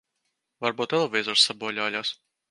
Varbūt televizors sabojājās.